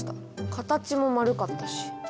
形も丸かったし。